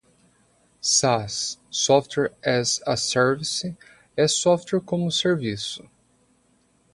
SaaS (Software as a Service) é software como serviço.